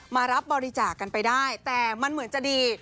มารับบริจาคกันไปได้แต่มันเหมือนจะดี